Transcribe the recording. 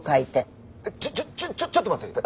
ちょちょちょちょちょっと待って。